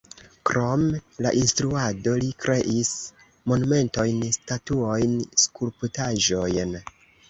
Krom la instruado li kreis monumentojn, statuojn, skulptaĵojn.